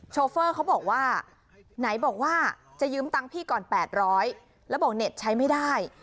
โฟเฟอร์เขาบอกว่าไหนบอกว่าจะยืมตังค์พี่ก่อน๘๐๐แล้วบอกเน็ตใช้ไม่ได้